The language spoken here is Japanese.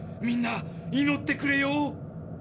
みんないのってくれよ。